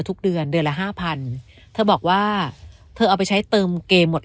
ทุกเดือนเดือนละห้าพันเธอบอกว่าเธอเอาไปใช้เติมเกมหมดเลย